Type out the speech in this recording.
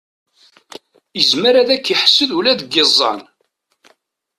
Izmer ad k-iḥsed ula deg iẓẓan.